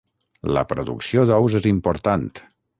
La producció d'ous és important.